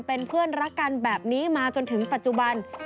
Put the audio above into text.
เป็นเพื่อนรักกันแบบนี้มาจนถึงปัจจุบัน